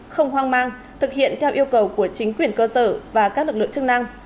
không hoang mang thực hiện theo yêu cầu của chính quyền cơ sở và các lực lượng chức năng